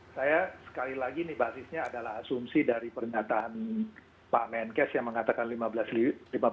saya sekali lagi ini basisnya adalah asumsi dari pernyataan pak menkes yang mengatakan lima belas